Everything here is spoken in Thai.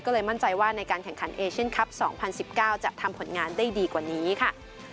ก็เลยมั่นใจว่าในการแข่งขันเอเชียนคลับ๒๐๑๙จะทำผลงานได้ดีกว่านี้ค่ะ